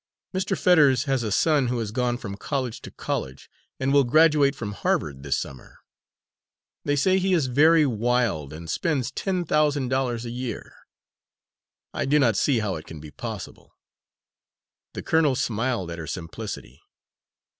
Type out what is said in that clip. Mr. Fetters has a son who has gone from college to college, and will graduate from Harvard this summer. They say he is very wild and spends ten thousand dollars a year. I do not see how it can be possible!" The colonel smiled at her simplicity.